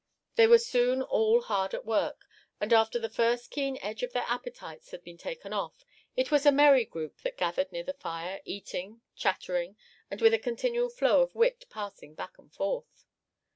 They were soon all hard at work, and after the first keen edge of their appetites had been taken off, it was a merry group that gathered near the fire, eating, chatting and with a continual flow of wit passing back and forth.